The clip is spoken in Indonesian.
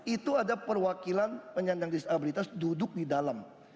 itu ada perwakilan penyandang disabilitas duduk di dalam